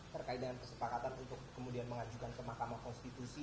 terkait dengan kesepakatan untuk kemudian mengajukan ke mahkamah konstitusi